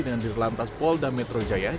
dengan dirilantas pol dan metro jakarta